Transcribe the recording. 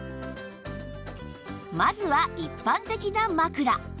まずは一般的な枕